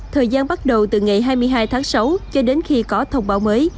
thời gian bắt đầu từ ngày hai mươi hai tháng sáu cho đến khi có thông báo mới